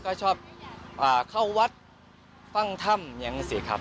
ก็ชอบเข้าวัดฟังถ้ำอย่างนั้นสิครับ